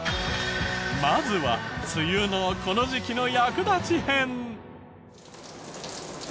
まずは梅雨のこの時期の役立ち編。